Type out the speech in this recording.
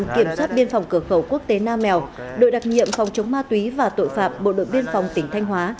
kiểm soát biên phòng cửa khẩu quốc tế nam mèo đội đặc nhiệm phòng chống ma túy và tội phạm bộ đội biên phòng tỉnh thanh hóa